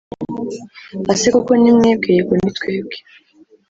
ase koko nimwebwe yego nitwebwe